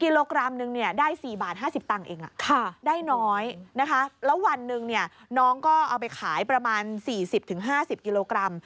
แล้ววันหนึ่งเนี่ยน้องก็เอาไปขายประมาณ๔๐๕๐กิโลกรัม